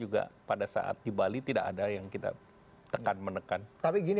bapak susatyo mendeklarasikan diri